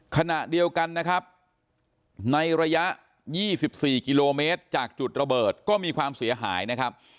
ขณะเดียวกันนะครับในระยะ๒๔กิโลเมตรจากจุดระเบิดก็มีความเสียหายนะครับ